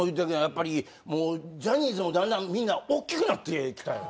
やっぱりジャニーズもだんだんみんなおっきくなってきたよね。